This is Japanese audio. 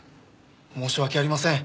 申し訳ありません。